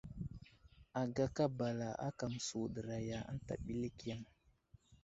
Agaka bala ákà məsuɗəraya ənta ɓəlik yaŋ.